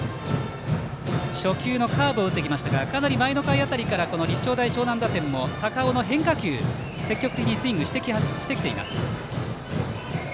初球のカーブを打ってきましたが前の回辺りからこの立正大淞南打線も高尾の変化球、積極的にスイングしてきています。